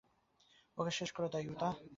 ওকে শেষ করে দাও, ইউতা!